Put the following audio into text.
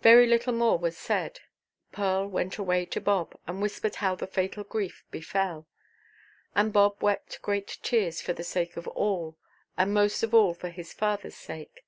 Very little more was said. Pearl went away to Bob, and whispered how the fatal grief befell; and Bob wept great tears for the sake of all, and most of all for his fatherʼs sake.